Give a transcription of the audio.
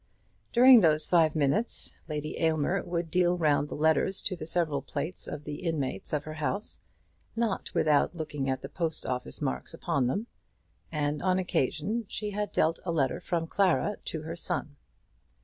During those five minutes Lady Aylmer would deal round the letters to the several plates of the inmates of her house, not without looking at the post office marks upon them; and on this occasion she had dealt a letter from Clara to her son.